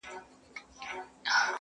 زه شاعر سړی یم بې الفاظو نور څه نه لرم،